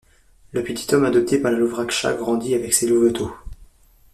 Le petit homme adopté par la louve Raksha grandit avec ses louveteaux.